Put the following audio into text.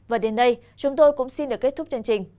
và đến đây chúng tôi cũng xin được kết thúc chương trình